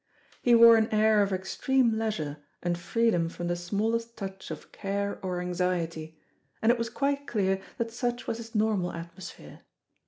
He wore an air of extreme leisure and freedom from the smallest touch of care or anxiety, and it was quite clear that such was his normal atmosphere.